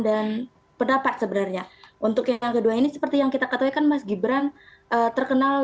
dan pendapat sebenarnya untuk yang kedua ini seperti yang kita katakan mas gibran terkenal